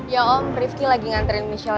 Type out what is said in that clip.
ya om prifky lagi nganterin michelle